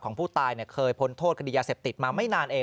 ของผู้ตายเนี้ยเคยพ้นโทษคดียาเศษติดมาไม่นานเอง